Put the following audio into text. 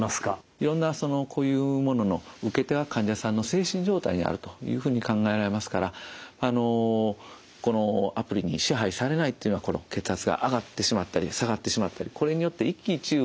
いろんなそのこういうものの受け手は患者さんの精神状態にあるというふうに考えられますからこのアプリに支配されないというのは血圧が上がってしまったり下がってしまったりこれによって一喜一憂